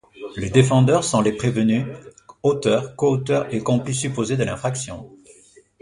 Les défendeurs sont les prévenus, auteurs, coauteurs et complices supposés de l'infraction.